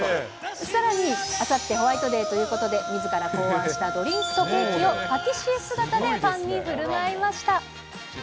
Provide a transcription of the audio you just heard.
さらに、あさってホワイトデーということで、みずから考案したドリンクとケーキをパティシエ姿でファンにふるまいました。